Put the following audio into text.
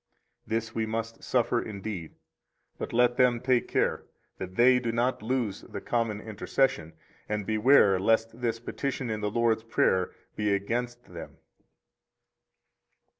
This we must suffer indeed; but let them take care that they do not lose the common intercession, and beware lest this petition in the Lord's Prayer be against them.